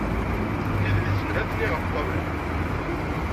Idlisen ha-ten-i ɣef ṭṭabla.